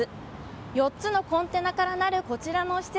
４つのコンテナからなるこちらの施設。